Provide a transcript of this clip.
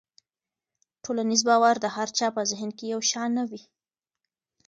ټولنیز باور د هر چا په ذهن کې یو شان نه وي.